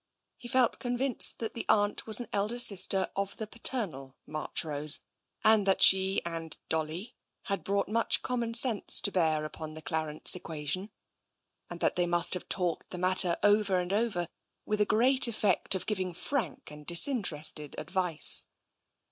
He felt convinced that the aunt was an elder sister of the paternal Marchrose, and that she and " Dolly " had brought much common sense to bear upon the Clarence equation and that they must have talked the matter over and over, with a great effect of giving frank and disinterested advice.